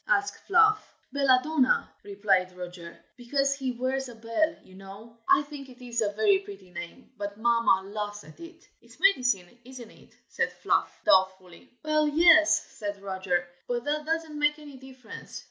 asked Fluff. "Belladonna," replied Roger, "because he wears a bell, you know. I think it is a very pretty name, but Mamma laughs at it." "It's medicine, isn't it?" said Fluff, doubtfully. "Well, yes!" said Roger; "but that doesn't make any difference.